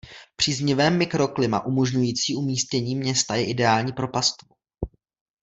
Příznivé mikroklima umožňující umístění města je ideální pro pastvu.